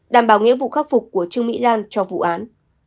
đảm bảo nghĩa vụ khắc phục của trương mỹ lan cho vụ án